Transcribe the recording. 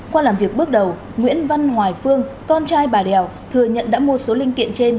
qua làm việc bước đầu nguyễn văn hoài phương con trai bà đèo thừa nhận đã mua số linh kiện trên